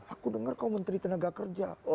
aku dengar kau menteri tenaga kerja